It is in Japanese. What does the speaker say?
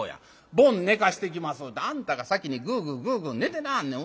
『ボン寝かしてきます』ってあんたが先にグーグーグーグー寝てなはんねん。